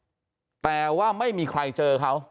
แต่ว่าไม่มีใครเจอเขา